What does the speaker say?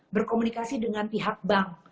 berkomunikasi dengan pihak bank